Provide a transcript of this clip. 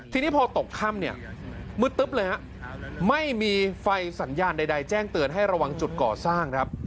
ทีนี้พอตกค่ำเนี่ยมืดตึ๊บเลยฮะไม่มีไฟสัญญาณใดแจ้งเตือนให้ระวังจุดก่อสร้างครับ